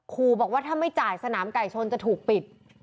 ครูบอกว่าถ้าไม่จ่ายสนามไก่ชนจะถูกปิด